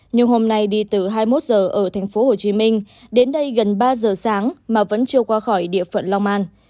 nhưng hôm nay đi từ hai mươi một giờ ở thành phố hồ chí minh đến đây gần ba giờ sáng mà vẫn chưa qua khỏi địa phận long an